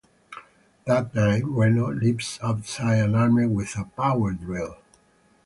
That night, Reno leaves outside and armed with a power drill.